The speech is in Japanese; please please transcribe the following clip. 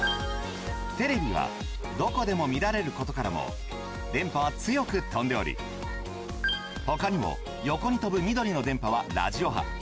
テレビはどこでも見られることからも電波は強く飛んでおり他にも横に飛ぶ緑の電波はラジオ波。